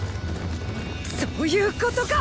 そういうことか！